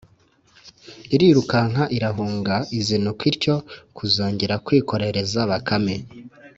irirukanka irahunga izinukwa ityo kuzongera kwikorereza bakame